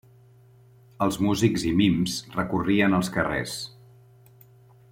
Els músics i mims recorrien els carrers.